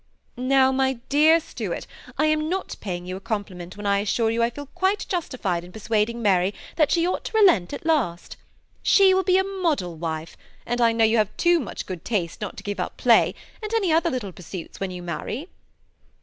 " Now, my dear Stuart, I am not paying you a com pliment when I assure you I feel quite justified in per suading Mary that she ought to relent at last. She will be a model wife ; and I know you have too much good taste not to give up play and any other little pur suits when you marry."